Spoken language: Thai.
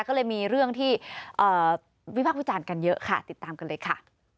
ก็เลยมีเรื่องที่วิพากษ์วิจารณ์กันเยอะค่ะติดตามกันเลยค่ะ